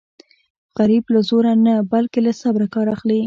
غریب له زوره نه بلکې له صبره کار اخلي